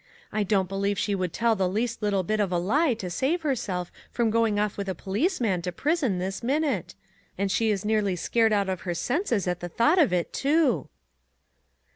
I don't believe she would tell the least little bit of a lie to save herself from going off with a policeman to prison this minute; and she is nearly scared out of her senses at the thought of it, too."